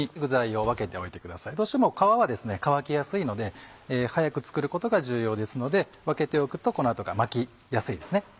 どうしても皮は乾きやすいので早く作ることが重要ですので分けておくとこの後が巻きやすいですね。